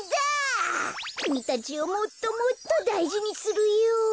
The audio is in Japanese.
きみたちをもっともっとだいじにするよ。